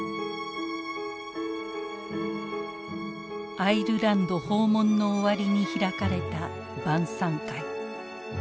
アイルランド訪問の終わりに開かれた晩餐会。